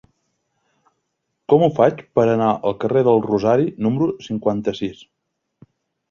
Com ho faig per anar al carrer del Rosari número cinquanta-sis?